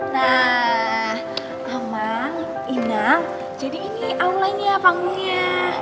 nah amang inang jadi ini outline nya panggungnya